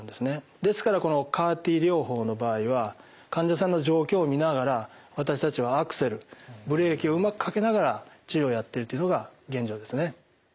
ですからこのＣＡＲ−Ｔ療法の場合は患者さんの状況を見ながら私たちはアクセルブレーキをうまくかけながら治療をやっているっていうのが現状ですね。